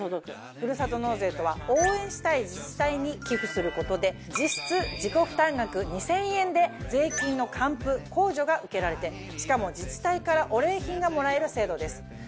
「ふるさと納税」とは応援したい自治体に寄付することで実質自己負担額２０００円で税金の還付控除が受けられてしかも自治体からお礼品がもらえる制度です。